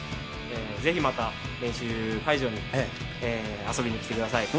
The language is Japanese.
ぜひまた練習会場に遊びに来てください。